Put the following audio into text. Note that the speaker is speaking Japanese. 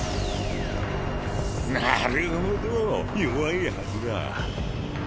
なるほど弱いはずだ。